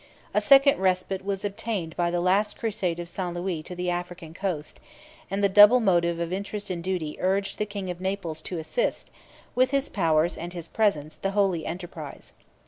A second respite was obtained by the last crusade of St. Louis to the African coast; and the double motive of interest and duty urged the king of Naples to assist, with his powers and his presence, the holy enterprise.